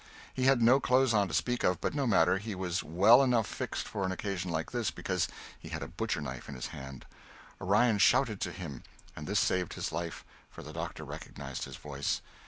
He had no clothes on to speak of, but no matter, he was well enough fixed for an occasion like this, because he had a butcher knife in his hand. Orion shouted to him, and this saved his life, for the Doctor recognized his voice.